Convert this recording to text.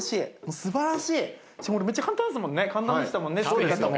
素晴らしいめっちゃ簡単ですもん簡単でしたもんね作り方も。